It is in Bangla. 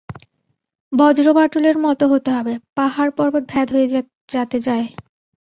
বজ্রবাঁটুলের মত হতে হবে, পাহাড় পর্বত ভেদ হয়ে যাতে যায়।